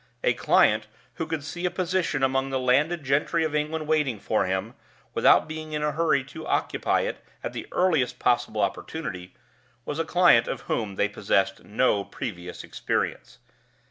A client who could see a position among the landed gentry of England waiting for him, without being in a hurry to occupy it at the earliest possible opportunity, was a client of whom they possessed no previous experience.